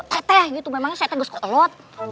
teteh itu memangnya seteh ga suka lot